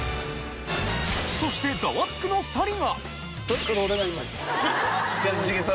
そして『ザワつく！』の２人が。